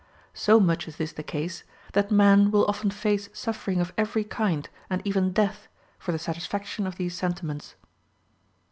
So much is this the case, that man will often face suffering of every kind, and even death, for the satisfaction of these sentiments.